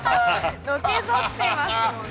のけぞってますもん。